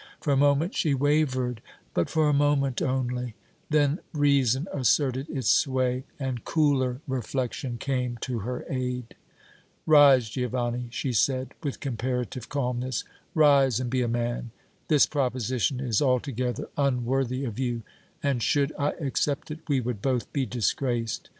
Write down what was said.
For a moment she wavered, but for a moment only; then reason asserted its sway and cooler reflection came to her aid. "Rise, Giovanni," she said, with comparative calmness, "rise and be a man. This proposition is altogether unworthy of you, and, should I accept it, we would both be disgraced.